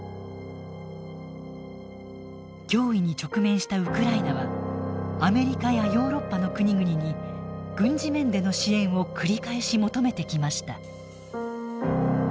脅威に直面したウクライナはアメリカやヨーロッパの国々に軍事面での支援を繰り返し求めてきました。